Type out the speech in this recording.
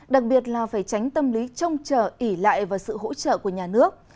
đặc biệt là phải tránh tâm lý trông trở ỉ lại và sự hỗ trợ của nhà nước